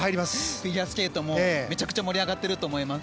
フィギュアスケートもめちゃくちゃ盛り上がっていると思います。